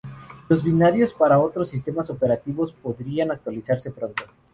Los binarios para otros sistemas operativos podrían actualizarse pronto.